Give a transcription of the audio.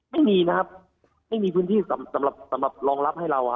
ไม่มีนะฮะไม่มีพื้นที่สำหรับรองรับให้เรานะฮะ